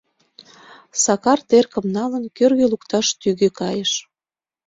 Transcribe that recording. Сакар, теркым налын, кӧргӧ лукташ тӱгӧ кайыш.